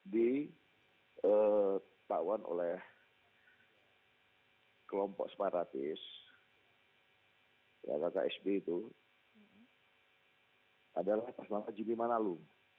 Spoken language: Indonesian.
di tahuan oleh kelompok separatis ya kakak sbi itu adalah pasman majidimanalu